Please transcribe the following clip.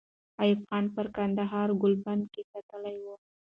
ایوب خان پر کندهار کلابندۍ ساتلې وه.